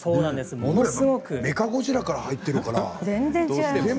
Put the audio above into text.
メカゴジラから入ってるからね